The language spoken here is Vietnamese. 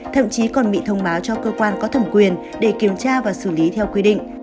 thậm chí còn bị thông báo cho cơ quan có thẩm quyền để kiểm tra và xử lý theo quy định